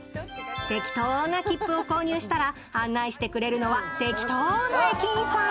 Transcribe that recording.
てきとな切符を購入したら案内してくれるのはてきとな駅員さん。